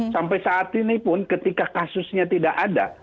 sampai saat ini pun ketika kasusnya tidak ada